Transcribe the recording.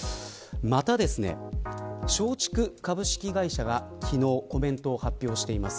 また、松竹株式会社が昨日コメントを発表しています。